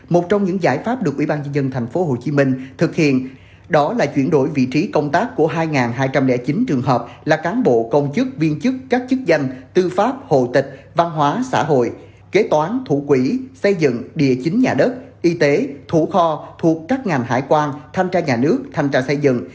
một trong những giải pháp được ubnd tp hcm thực hiện đó là chuyển đổi vị trí công tác của hai hai trăm linh chín trường hợp là cán bộ công chức viên chức các chức danh tư pháp hồ tịch văn hóa xã hội kế toán thủ quỹ xây dựng địa chính nhà đất y tế thủ kho thuộc các ngành hải quan thanh tra nhà nước thanh tra xây dựng